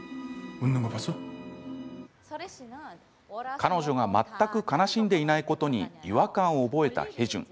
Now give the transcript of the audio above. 彼女が全く悲しんでいないことに違和感を覚えたヘジュン。